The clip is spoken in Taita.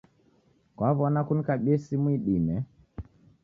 Kwaw'ona kunikabie simu idime